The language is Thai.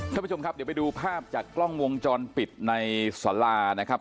ท่านผู้ชมครับเดี๋ยวไปดูภาพจากกล้องวงจรปิดในสารานะครับ